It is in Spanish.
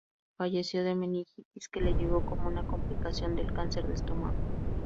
Falleció de meningitis, que le llegó como una complicación del cáncer de estómago.